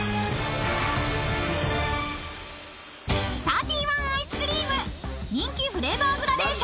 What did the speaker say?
［サーティワンアイスクリーム人気フレーバーグラデーション